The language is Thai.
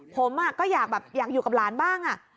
ผมก็อยากอยู่กับหลานบ้าง